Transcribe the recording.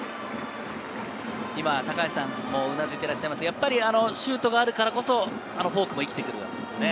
高橋さんも、うなずいていますが、シュートがあるからこそ、あのフォークも生きてくるということですね。